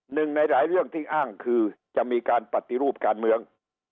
หนึ่งในหลายเรื่องที่อ้างคือจะมีการปฏิรูปการเมือง